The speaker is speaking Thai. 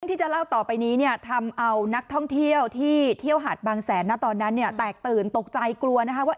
ที่จะเล่าต่อไปนี้เนี่ยทำเอานักท่องเที่ยวที่เที่ยวหาดบางแสนนะตอนนั้นเนี่ยแตกตื่นตกใจกลัวนะคะว่า